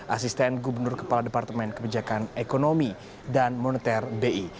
asisten gubernur kepala departemen kebijakan ekonomi dan moneter bi